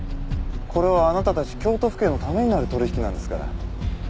これはあなたたち京都府警のためになる取引なんですから。